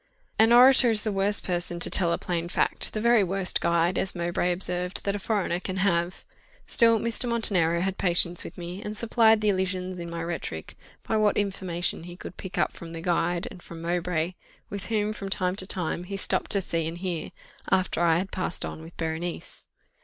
An orator is the worst person to tell a plain fact; the very worst guide, as Mowbray observed, that a foreigner can have. Still Mr. Montenero had patience with me, and supplied the elisions in my rhetoric, by what information he could pick up from the guide, and from Mowbray, with whom, from time to time, he stopped to see and hear, after I had passed on with Berenice.